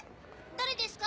誰ですか？